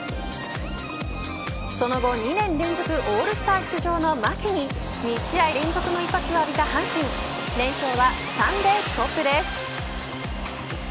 その後、２年連続オールスター出場の牧に２試合連続の一発を浴びた阪神連勝は３でストップです。